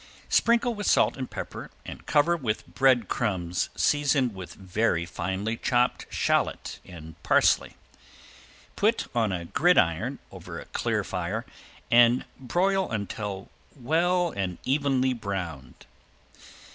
Sprinkle with salt and pepper and cover with bread crumbs seasoned with very finely chopped shallot and parsley. Put on a gridiron over a clear fire and broil until well and evenly browned.